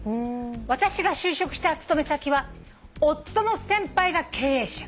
「私が就職した勤め先は夫の先輩が経営者」